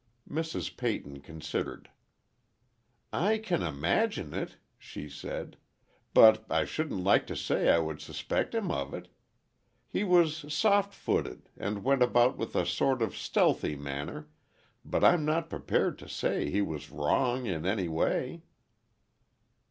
Mrs. Peyton considered. "I can imagine it," she said, "but I shouldn't like to say I would suspect him of it. He was soft footed, and went about with a sort of stealthy manner, but I'm not prepared to say he was wrong in any way."